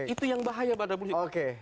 itu yang bahaya pada publik